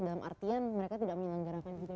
dalam artian mereka tidak menyelenggarakan juga